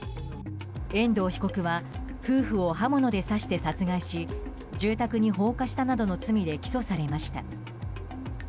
遠藤被告は夫婦を刃物で刺して殺害し住宅に放火したなどの罪で起訴されました。